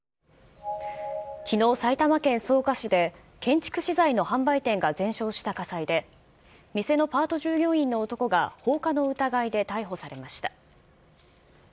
きのう、埼玉県草加市で建築資材の販売店が全焼した火災で、店のパート従業員の男が放火の疑いで逮捕されました。